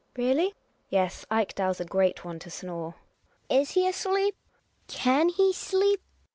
Peally ? Yes, Ekdal's a great one to snore. Hedvig. Is he asleep ? Can he sleep